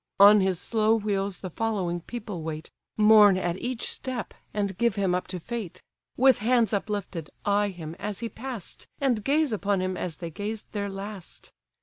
On his slow wheels the following people wait, Mourn at each step, and give him up to fate; With hands uplifted eye him as he pass'd, And gaze upon him as they gazed their last.